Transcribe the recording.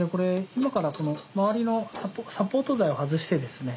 今からこの周りのサポート材を外してですね